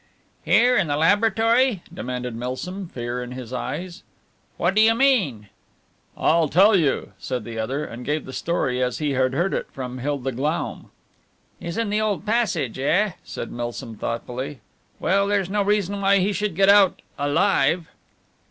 "Here in the laboratory?" demanded Milsom, fear in his eyes. "What do you mean?" "I'll tell you," said the other, and gave the story as he had heard it from Hilda Glaum. "He's in the old passage, eh?" said Milsom, thoughtfully, "well there's no reason why he should get out alive."